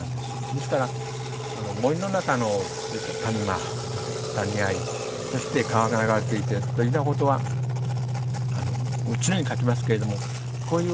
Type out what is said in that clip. ですから森の中の谷間谷あいそして川が流れていてというようなことは常に書きますけれどもこういう。